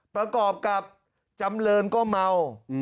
ประกอบกับจำเรินก็เมา